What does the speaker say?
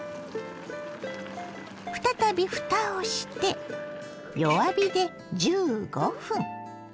再びふたをして弱火で１５分。